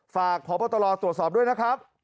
ฝากพบตรตรวจสอบด้วยนะครับ